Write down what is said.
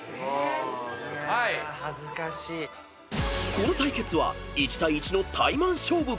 ［この対決は１対１のタイマン勝負］